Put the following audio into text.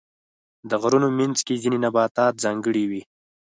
د غرونو منځ کې ځینې نباتات ځانګړي وي.